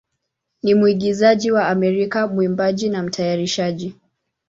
ni mwigizaji wa Amerika, mwimbaji, na mtayarishaji.